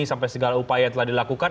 sampai segala upaya yang telah dilakukan